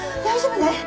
大丈夫ね？